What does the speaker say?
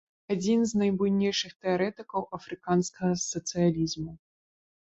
Адзін з найбуйнейшых тэарэтыкаў афрыканскага сацыялізму.